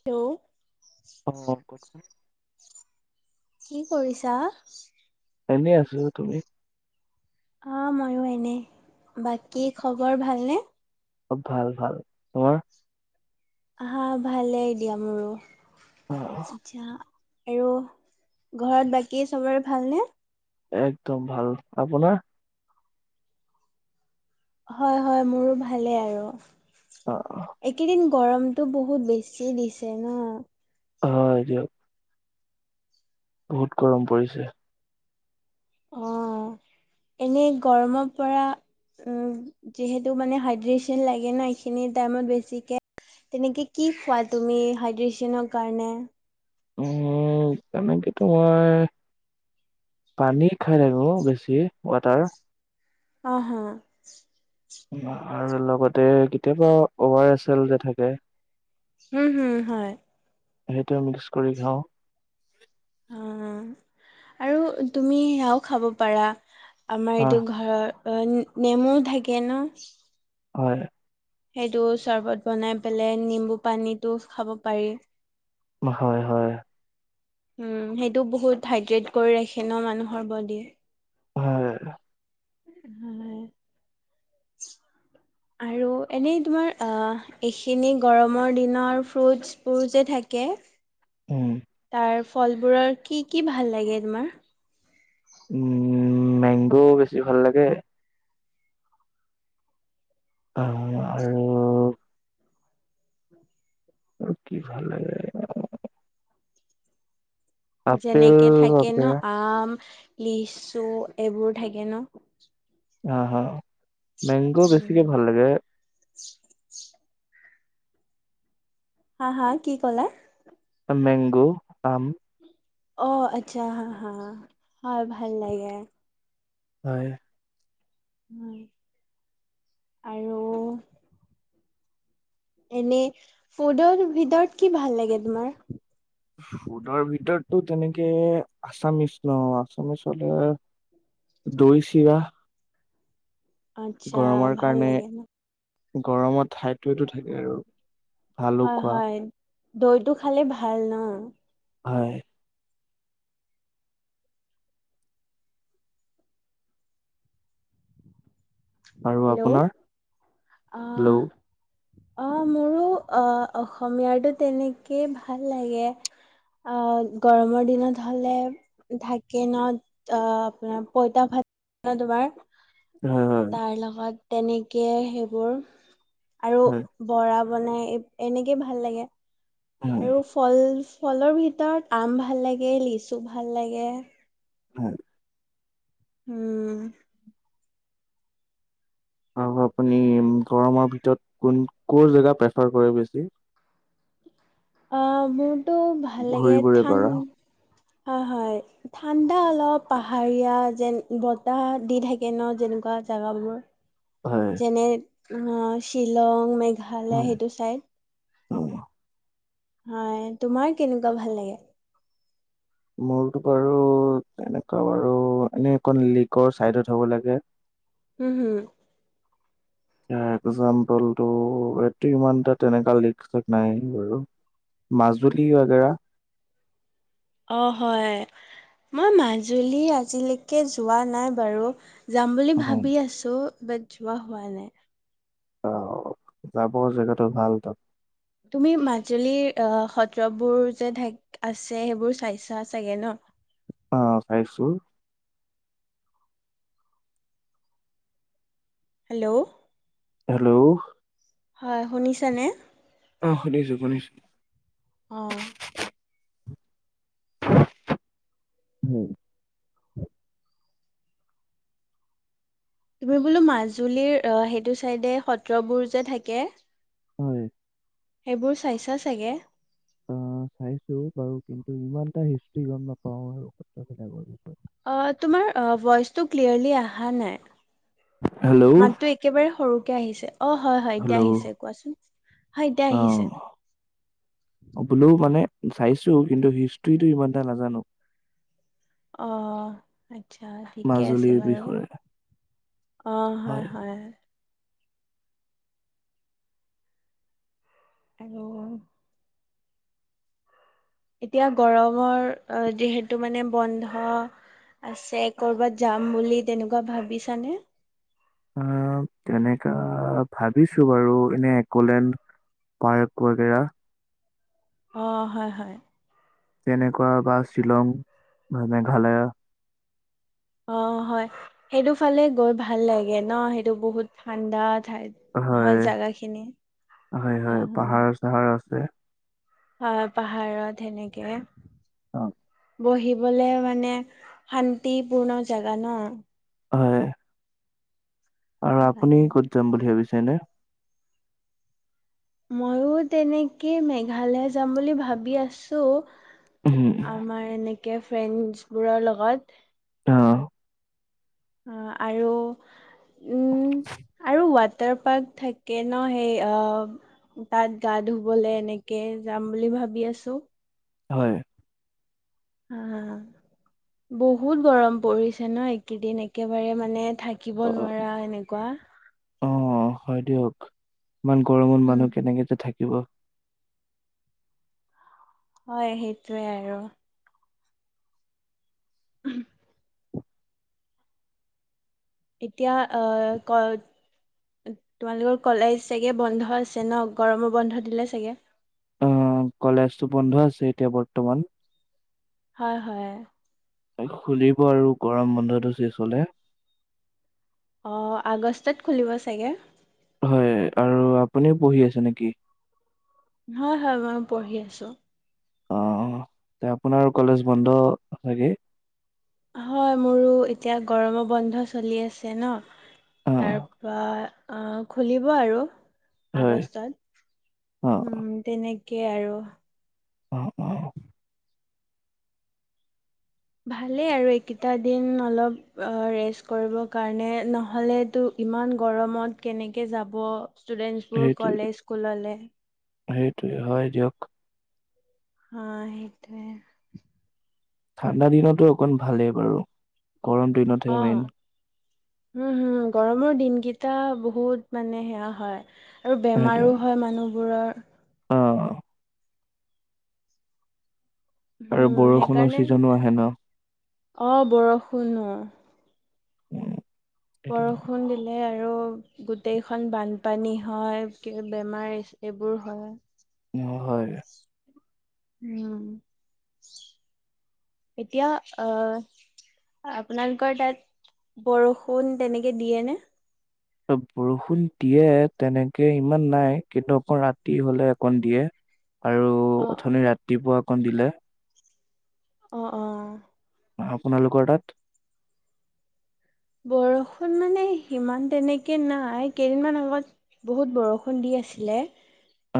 Hello অ', কোৱাচোন। কি কৰিছা! এনেই আছো তুমি। অ মইয়ো এনে বাকী খবৰ ভালনে। অব ভাল ভাল তোমাৰ। হা ভালেই দিয়া মোৰো অ', আচ্ছা। আৰু ঘৰত বাকী চবৰে ভালনে। একদম ভাল আপোনাৰ। হয় হয় মোৰো ভালেই আৰু। অ অ। এইকেইদিন গৰমটো বহুত বেছি দিছে ন। অ হয় দিয়ক। বহুত গৰম পৰিছে। অ এনেই গৰমৰ পৰা। উ যিহেতু মানে হাইড্ৰেচেন লাগে ন এইখিনিৰ টাইমত বেছিকে। তেনেকে কি খোৱা তুমি হাইড্ৰেচেনৰ কাৰণে। উ তেনেকেটো মই। পানী খাই থাকো বেছি ৱাটাৰ। অ হা। আৰু লগতে কেতিয়াবা অভাৰ এছ এল যে থাকে। উম হম হয়। সেইটোৱে মিক্স কৰি খাওঁ। অ আৰু তুমি সেয়াও খাব পাৰা। আমাৰ আহ এইটো ঘৰৰ অ নেমু থাকে ন। হয়। সেইটো চৰ্বত বনাই পেলাই নিম্বু পানীটো খাব পাৰি। হয় হয়। উম সেইটো বহুত হাইড্ৰেট কৰি ৰাখি ন মানুহৰ বডি। হয় হয়। [unintelligible] আৰু এনেই তোমাৰ অ এইখিনি গৰমৰ দিনৰ ফ্ৰুটছ বোৰ যে থাক। কে। উম তাৰ ফলবোৰৰ কি কি ভাল লাগে তোমাৰ। উম মেংগো বেছি ভাল লাগে। আহ আৰু। আৰু কি ভাল লাগে। আপেল যেনেকে থাকে ন বাপেৰা আম। লিচু এইবোৰ থাকে ন। আহ হা মেংগো উম, বেছিকে ভাল লাগে। হা হা কি কলা। মেংগো আম। অ আচ্ছা হা হা হয় ভাল লাগে। হয়। হয় আৰু। এনেই ফুডৰ ভিতৰত কি ভাল লাগে তোমাৰ। ফুডৰ ভিতৰতটো তেনেকে আছামিচ ন আছামিছ হলে। দৈ চিৰা। আচ্ছা গৰমৰ ভাল কাৰণে লাগে ন গৰমত ঠাইতটো থাকে আৰু। ভালো হয় খোৱা হয় দৈটো খালে ভাল ন। হয়। আৰু হেল্ল' আপোনাৰ। হেল্ল' অঁ। অ মোৰো অহ অসমীয়াটো তেনেকেই ভাল লাগে। অ গৰমৰ দিনত হলে থাকে ন অ আপোনাৰ পইতা ভাত ন দুবাৰ হয় তাৰ লগত তেনেকে সেইবোৰ আৰু হয় বৰা বনাই এনেকে ভাল লাগে হয় আৰু ফল ফলৰ ভিতৰত আম ভাল লাগে লিচু ভাল লাগে হয় উম আৰু আপুনি গৰমৰ ভিতৰত কোন কৰ জেগা প্ৰেফাৰ কৰে বেছি অ মোৰতো ভাল লাগে ঘূৰিবৰে ঠান পাৰা হয় হয় ঠাণ্ডা অলপ পাহাৰীয়া যেন বতাহ দি থাকে ন যেনেকুৱা জেগাবোৰ হয় যেনে শ্বিলং মেঘালয় উম, সেইটো চাইড উম। হয় তোমাৰ কেনেকুৱা ভাল লাগে মোৰতো বাৰু তেনেকুৱা বাৰু এনেই অকণ লিকৰ চাইডত হ'ব লাগে উম হম একজাম্পল টো এইটো ইমান এটা তেনেকা লিষ্টত নাই বাৰু মাজুলী বাগেৰা [unintelligible] অ হয় মই মাজুলী আজিলৈকে যোৱা নাই বাৰু যাম বুলি ভাবি আছো বাট যোৱা হোৱা নাই অ যাব জেগাটো ভাল তাত তুমি মাজুলীৰ সত্ৰবোৰ যে আছে সেইবোৰ চাইছা চাগে ন অ চাইছো হেল্ল' হেল্ল' হয় শুনিচা নে আহ শুনিছো শুনিছো অঁ উম তুমি বোলো মাজুলীৰ অহ সেইটো চাইডে সত্ৰবোৰ যে থাকে হয় সেইবোৰ চাইছা চাগে অ চাইছো বাৰু কিন্তু ইমান এটা হিষ্টি গম নাপাও আৰু সত্ৰবিলাকৰ বিষয়ে অ তোমাৰ ভইচ টো ক্লয়াৰলী আহা নাই হেল্ল' মাতটো একেবাৰে সৰুকে আহিছে অ হয় হয় এতিয়া হেল্ল' আহিছে কোৱাচোন হয় এতিয়া অ আহিছে বোলো মানে চাইছো কিন্তু হিষ্ট্ৰীটো ইমান এটা নাজানো অ আটচা ঠিকে আছে মাজুলীৰ বাৰু বিষয়ে অ হয় হয় আৰু এতিয়া গৰমৰ যিহেতু মানে বন্ধ আছে কৰ'বাত যাম বুলি তেনেকুৱা ভাবিছানে অহ তেনকা ভাবিছো বাৰু এনে অকলে পায়ে বাগেৰা। অ হয় হয়। তেনেকুৱা বা শ্বিলং, মেঘালয়। অ হয় সেইটো ফালে, গৈ ভাল লাগে ন সেইটো বহুত ঠাণ্ডাত। ঠাইত হয় জাগা খিনি হয় হ হয় হুম। পাহাৰ চাহাৰ আছে অ পাহাৰত সেনেকে। অ। বহিবলে মানে, শান্তিপূৰ্ণ জাগা ন। হয়! আৰু আপুনি হয়। ক'ত যাম বুলি ভাবিছেনে? মইয়ো তেনেকে, মেঘালয় যাম বুলি ভাবি আছোঁ! আমাৰ এনেকে ফ্ৰেণ্ডছ বোৰৰ লগত অ'! অ'! আৰু উম! আৰু ৱাটাৰ পাৰ্ক থাকে ন' সেই, অ'! তাত গা ধুবলৈ এনেকে যাম বুলি ভাবি আছোঁ! হয়। [unintelligible] বহুত গৰম পৰিছে ন' এইকেইদিন একেবাৰে মানে, থাকিব অ নোৱাৰা এনেকুৱা। [unintelligible] অ'! হয় দিয়ক। ইমান গৰমত মানুহ কেনেকে যে, থাক [unintelligible] হয়, সেইটোৱে আৰু। ওহোঁ! এতিয়া আঁ ক তোমালোকৰ কলেজ চাগে বন্ধ আছে ন'! গৰমৰ বন্ধ দিলে চাগে? অ [unintelligible] কলেজটো বন্ধ আছে এতিয়া বৰ্তমান। হয়, হয়। তাই খুলিব আৰু গৰম বন্ধটো [unintelligible] অ'! আগষ্টত খুলিব চাগে। হয় আৰু আপুনিও পঢ়ি আছে নেকি? হয়, হয়। মই পঢ়ি আছোঁ। অ'! এ, আপোনাৰ কলেজ বন্ধ ছাগে? হয়। মোৰো এতিয়া গৰম বন্ধ চলি আছে ন'। অ তাৰ পৰা আঁ খুলিব আৰু হয় আগষ্টত। অ উম! তেনেকে আৰু। অ'! অ'! ভালেই আৰু এইকেইটা দিন অলপ, ৰেষ্ট কৰিব কাৰণে নহ'লেতো ইমান গৰমত কেনেকে যাব, ষ্টুডেন্টছবোৰ সেইটোৱে কলেজ স্কুললৈ। সেইটোৱে হয় দিয়ক। অ'! সেইটোৱে। ঠাণ্ডা দিনতো অকণ ভালেই বাৰু। গৰম দিনতহে মেইন অ'! হু! হু! গৰমৰ দিন কে এটা বহুত মানে, সেয়া হয় আৰু সেইটোৱে বেমাৰো হয় মানুহবোৰৰ। অ'। আৰু উম বৰষুণৰ সেইকাৰণে ছিজনো আহে ন'। অ'! বৰষুণ অ'! উম! সেইটো কাৰণে বৰষুণ দিলে আ আৰু গোটেইখন বানপানী হয়, বেমাৰ এইবোৰ হয়। মোৰ হয়। উম! এতিয়া আঁ আপোনালোকৰ তাত বৰষুণ তেনেকে দিয়ে নে? বৰষুণ দিয়ে, তেনেকে ইমান নাই। কিন্তু, অকণ ৰাতি হ'লে অকণ দিয়ে। আৰু অ ওথনি ৰাতিপুৱা অকণ দিলে। অ'! অ'! আপোনালোকৰ তাত বৰষুণ মানে, সিমান তেনেকে নাই। কেইদিনমান আগত বহুত বৰষুণ দিয়ে আছিলে।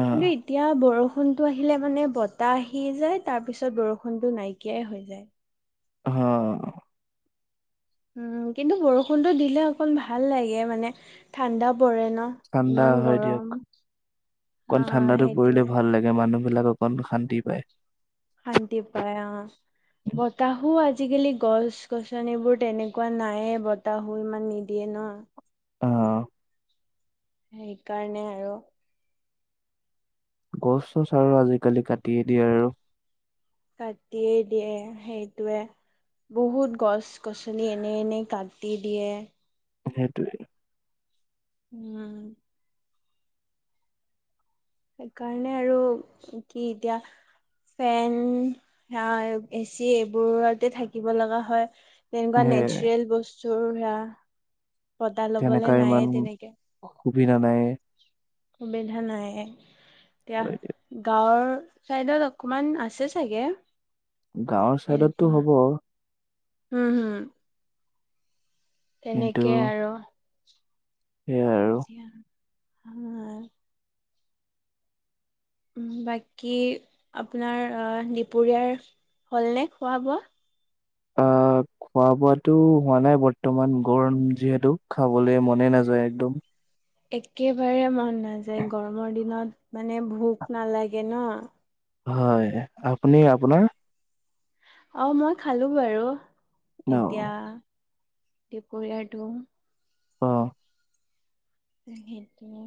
অ', এতিয়া বৰষুণতো আহিলে মানে বতাহ আহিয়ে যায় তাৰ পিছত বৰষুনটো নাইকিয়াই হৈ যায়। হ উম কিন্তু বৰষুণতো দিলে অকন ভাল লাগে মানে ঠাণ্ডা। পৰে ন ঠাণ্ডা ইমান হয় দিয়ক গৰম হা অকণ ঠাণ্ডাতো পৰিলে সেইটোয়ে ভাল লাগে মানুহ। বিলাককণ শান্তি পায়। শান্তি পায় অ বতাহো আজি আজিকালি গছ গছনিবোৰ তেনেকুৱা নাইয়ে বতাহু ইমান নিদিয়ে ন। অ সেইকাৰণে আৰু। গছ চছ আৰু আজিকালি কাটিয়ে দিয়ে আৰু। কাটিয়েই দিয়ে সেইটোৱে। বহুত গছ গছলি এনে এনে কাটি দিয়ে। সেইটোৱেই উম সেইকাৰণে আৰু কি এতিয়া ফেন এচি এইবোৰতে থাকিব লগা হয়। তেনেকুৱা সেয়ে নেচাৰেল বস্তুৰ সে বতাহ তেনেকা লবলৈ নাইে ইমান তেনেকে। সুবিধা নাইয়ে। সুবিধা নাই এতিয়া আৰু এতিয়া গাঁৱৰ চাইদত অকমান আছে চাগে। গাঁৱৰ চাইডতটো তেনেকুৱা হ'ব। হম হম কিন্তু তেনেকে আৰু। সেইয়াই আৰু যে আমাৰ বাকী আপোনাৰ অ দুপৰীয়াৰ হল নে খোৱা বোৱা? অ খোৱা বোৱাটো হোৱা নাই বৰ্তমান গৰম যিহেতু খাবলৈ মনে নাযায় একদম। একেবাৰে মন নাযায় গৰমৰ দিনত মানে ভোক নালাগে ন। হয় আপুনি আপোনাৰ? অ মই খালো বাৰু ন এতিয়া। দুপৰীয়াটো অ সেইটোৱে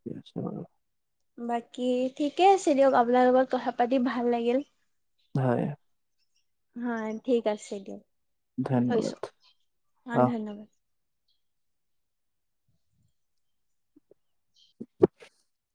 কি আছা বাকী ঠিকে আছে দিয়ক আপোনাৰ লগত কথা পাতি ভাল লাগিল। হয়। হয় ঠিক আছে দিয়ক থৈছো ধন্যবাদ অ আহ ধন্যবাদ। [inaudible]